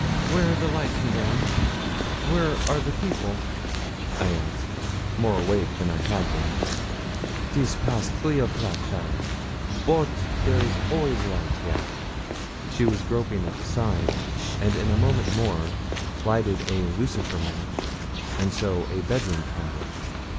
'Where are the lights, Madame where are the people?' I asked, more awake than I had been. ''Tis pass three o'clock, cheaile, bote there is always light here.' She was groping at the side; and in a moment more lighted a lucifer match, and so a bedroom candle.